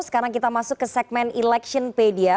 sekarang kita masuk ke segmen electionpedia